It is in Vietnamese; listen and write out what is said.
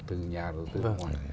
từ nhà đầu tư nước ngoài